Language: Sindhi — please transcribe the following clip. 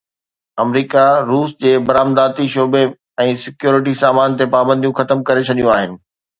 آمريڪا روس جي برآمداتي شعبي ۽ سيڪيورٽي سامان تي پابنديون ختم ڪري ڇڏيون آهن